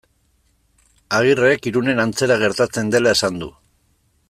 Agirrek Irunen antzera gertatzen dela esan du.